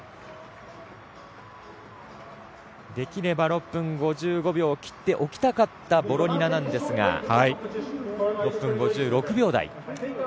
できれば６分５５秒切っておきたかったボロニナなんですが６分５６秒台。